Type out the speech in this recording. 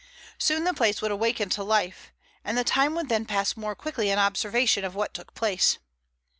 Soon the place would awaken to life, and the time would then pass more quickly in observation of what took place.